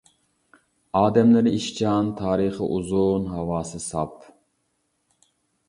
ئادەملىرى ئىشچان، تارىخى ئۇزۇن، ھاۋاسى ساپ.